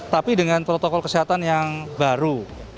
tapi dengan protokol kesehatan yang baru